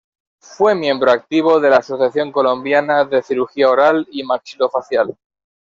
Fue miembro activo de la Asociación Colombiana de Cirugía Oral y Maxilofacial.